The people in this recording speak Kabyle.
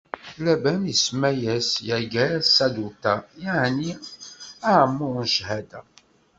Laban isemma-as Yagar Saduta, yeɛni aɛemmuṛ n cchada.